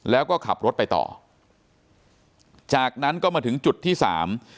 แล้วก็ขับรถไปต่อจากนั้นก็มาถึงจุดที่สาม